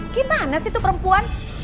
gimana sih tuh perempuan